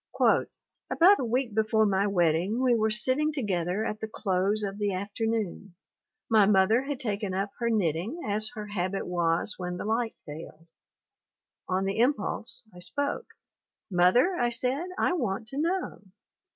"About a week before my wedding we were sitting together at the close of the afternoon ; my mother had taken up her knitting, as her habit was when the light failed. ... On the impulse I spoke. " 'Mother/ I said, 'I want to know